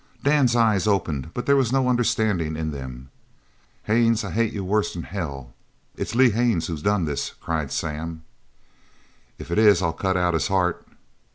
Dan's eyes opened but there was no understanding in them. "Haines, I hate you worse'n hell!" "It's Lee Haines who done this!" cried Sam. "If it is, I'll cut out his heart!"